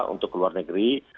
untuk keluar negeri